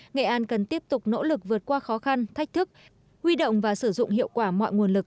nghệ an cần tiếp tục nỗ lực vượt qua khó khăn thách thức huy động và sử dụng hiệu quả mọi nguồn lực